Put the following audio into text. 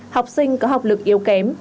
học sinh có học lực yếu kém